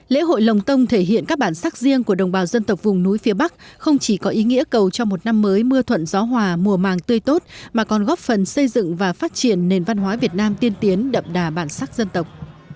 lễ hội lồng tông thể hiện các bản sắc riêng của đồng bào dân tộc vùng núi phía bắc không chỉ có ý nghĩa cầu cho một năm mới mưa thuận gió hòa mùa màng tươi tốt mà còn góp phần xây dựng và phát triển nền văn hóa việt nam tiên tiến đậm đà bản sắc dân tộc